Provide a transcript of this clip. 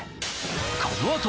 このあと